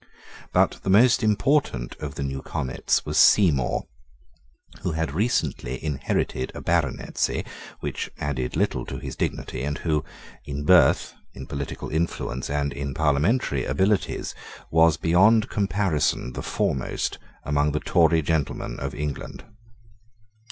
But the most important of the new comets was Seymour, who had recently inherited a baronetcy which added little to his dignity, and who, in birth, in political influence, and in parliamentary abilities, was beyond comparison the foremost among the Tory gentlemen of England.